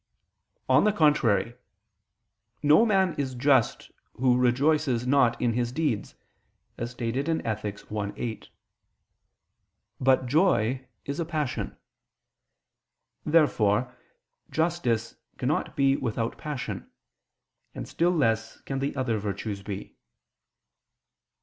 On the contrary, "No man is just who rejoices not in his deeds," as stated in Ethic. i, 8. But joy is a passion. Therefore justice cannot be without passion; and still less can the other virtues be.